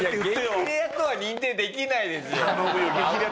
激レアとは認定できないですよ。